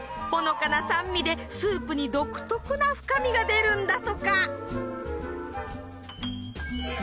ほのかな酸味でスープに独特な深みが出るんだとか。